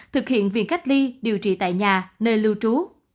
thực hiện việc cách ly điều trị tại nhà nơi lưu trú